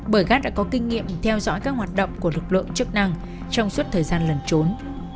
bởi gát đã có kinh nghiệm theo dõi các hoạt động của lực lượng chức năng trong suốt thời gian lẩn trốn